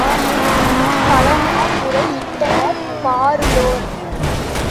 இங்கனம் பல நாள் முறை யிட்டனர் பாருளோர்.